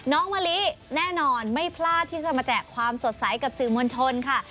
มะลิแน่นอนไม่พลาดที่จะมาแจกความสดใสกับสื่อมวลชนค่ะ